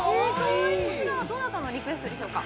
こちらはどなたのリクエストですか。